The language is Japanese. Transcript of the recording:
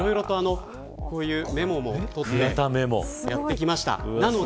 こういうメモも取ってやってきました。